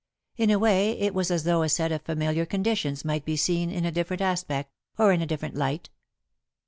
In a way, it was as though a set of familiar conditions might be seen in a different aspect, or in a different light."